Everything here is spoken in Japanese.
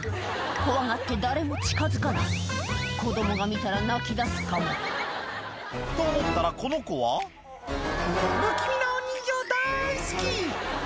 怖がって誰も近づかない子供が見たら泣き出すかもと思ったらこの子は「不気味なお人形だい好き！」